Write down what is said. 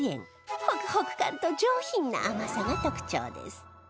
ホクホク感と上品な甘さが特徴です